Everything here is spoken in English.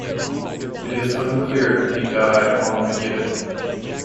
It is unclear if he died on the gibbet.